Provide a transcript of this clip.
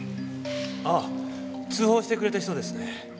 ああ通報してくれた人ですね。